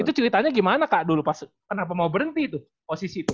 itu ceritanya gimana kak dulu pas kenapa mau berhenti tuh posisi itu